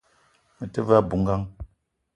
Me te ve a bou ngang